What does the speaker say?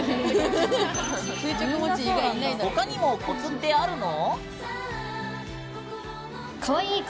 他にもコツってあるの？